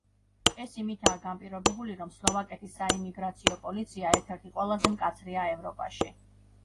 ეს იმითაა განპირობებული, რომ სლოვაკეთის საიმიგრაციო პოლიცია ერთ-ერთი ყველაზე მკაცრია ევროპაში.